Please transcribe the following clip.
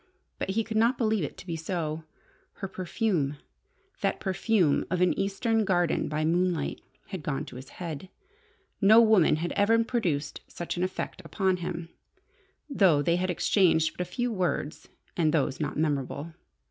But he could not believe it to be so. Her perfume that perfume of an Eastern garden by moonlight had gone to his head. No woman had ever produced such an effect upon him, though they had exchanged but a few words, and those not memorable.